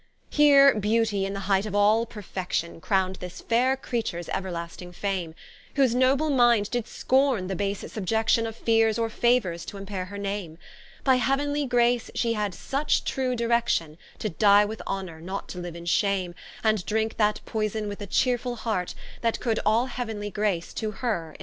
Here Beauty in the height of all perfection, Crown'd this faire Creatures euerlasting fame, Whose noble minde did scorne the base subiection Of Feares, or Fauours, to impaire her Name: By heauenly grace, she had such true direction, To die with Honour, not to liue in Shame; And drinke that poyson with a cheerefull heart, That could all Heavenly grace to her impart.